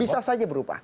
bisa saja berubah